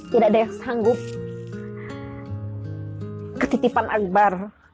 tidak ada yang sanggup ketitipan akbar